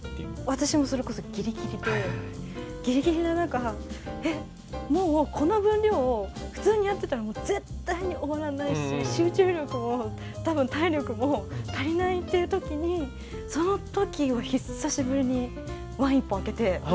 私もそれこそギリギリでギリギリな中えっもうこの分量を普通にやってたら絶対に終わらないし集中力も多分体力も足りないという時にその時は久しぶりにワイン１本開けて